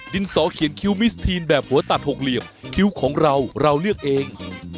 สอเขียนคิ้วมิสทีนแบบหัวตัดหกเหลี่ยมคิ้วของเราเราเลือกเอง